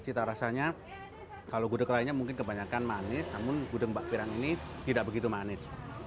cita rasanya kalau gudeg lainnya mungkin kebanyakan manis namun gudeg mbak pirang ini tidak begitu manis